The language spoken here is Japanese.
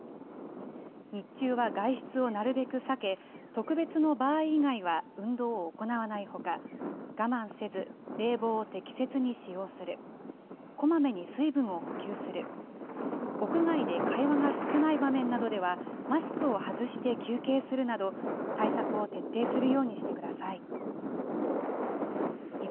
日中は外出をなるべく避け、特別の場合以外は運動を行わないほか、我慢せず、冷房を適切に使用する、こまめに水分を補給する、屋外で会話が少ない場面などでは、マスクを外して休憩するなど、対策を徹底するようにしてください。